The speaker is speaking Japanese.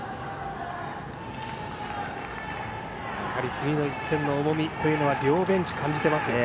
次の１点の重みというのは両ベンチ感じていますね。